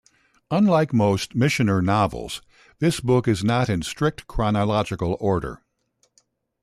Unlike most Michener novels, this book is not in strict chronological order.